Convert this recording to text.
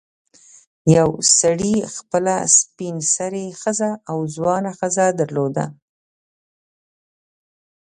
یو سړي خپله سپین سرې ښځه او ځوانه ښځه درلوده.